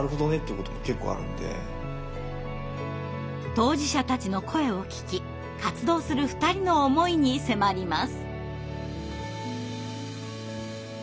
当事者たちの声を聞き活動する２人の思いに迫ります。